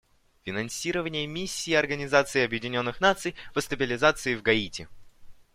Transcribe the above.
Финансирование Миссии Организации Объединенных Наций по стабилизации в Гаити.